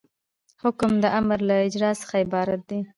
حکم د امر له اجرا څخه عبارت دی.